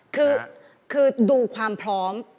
คือดูความพร้อม